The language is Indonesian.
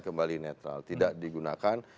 kembali netral tidak digunakan